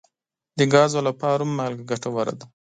د ګازو لپاره هم مالګه ګټوره ده.